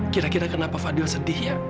kira kira kenapa fadil sedih ya